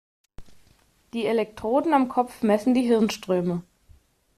Die Elektroden am Kopf messen die Hirnströme.